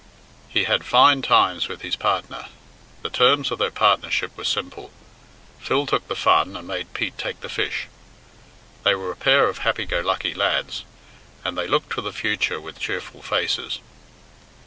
He had fine times with his partner. The terms of their partnership were simple. Phil took the fun and made Pete take the fish. They were a pair of happy go lucky lads, and they looked to the future with cheerful faces.